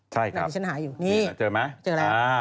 ใช่ครับนั่นที่ฉันหาอยู่นี่เจอแล้วนะฮะ